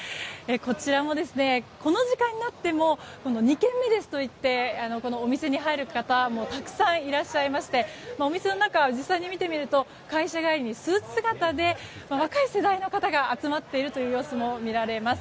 こちらも、この時間になっても２軒目ですと言ってお店に入る方もたくさんいらっしゃいましてお店の中、実際に見てみると会社帰りに、スーツ姿で若い世代の方が集まっているという様子も見られます。